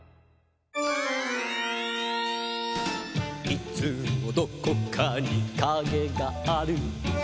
「いつもどこかにカゲがある」